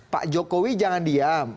pak jokowi jangan diam